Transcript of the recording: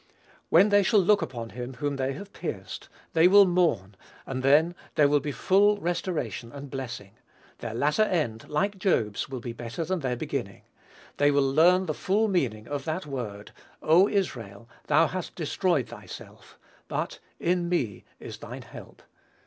When they shall look upon him whom they have pierced, they will mourn, and then there will be full restoration and blessing. Their latter end, like Job's will be better than their beginning. They will learn the full meaning of that word, "O Israel, thou hast destroyed thyself; but in me is thine help."